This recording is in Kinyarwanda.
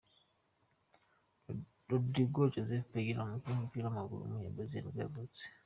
Rodrigo José Pereira, umukinnyi w’umupira w’amaguru w’umunyabrazil nibwo yavutse.